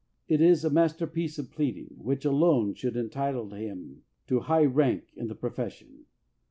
It is a masterpiece of pleading which alone should en title him to high rank in the profession.